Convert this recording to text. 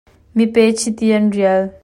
Mipe chiti an rial.